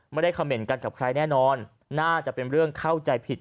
เขม่นกันกับใครแน่นอนน่าจะเป็นเรื่องเข้าใจผิด